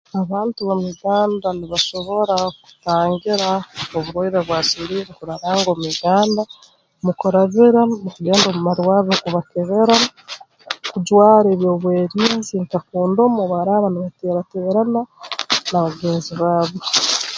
Abantu b'omu Uganda nibasobora kutangira oburwaire bwa siliimu kuraranga omu Uganda mu kurabira mu kugenda omu marwarro bakabakebera kujwara eby'obwerinzi nka kondomu obu baraaba nibateerateerana n'abagenzi baabo